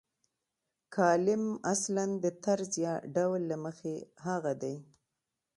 کالم اصلاً د طرز یا ډول له مخې هغه دی.